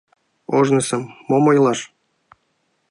— Ожнысым мом ойлаш.